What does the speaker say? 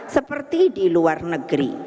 seperti di luar negeri